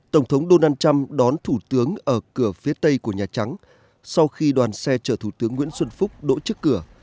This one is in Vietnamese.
tổng thống donald trump đón thủ tướng ở cửa phía tây của nhà trắng sau khi đoàn xe chở thủ tướng nguyễn xuân phúc đỗ trước cửa